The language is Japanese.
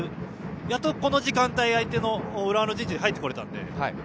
やっと、この時間帯浦和の陣地に入ってこれたので。